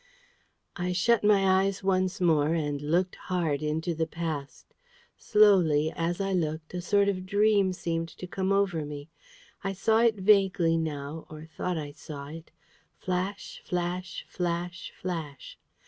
I shut my eyes once more, and looked hard into the past. Slowly, as I looked, a sort of dream seemed to come over me. I saw it vaguely now, or thought I saw it. Flash, flash, flash, flash.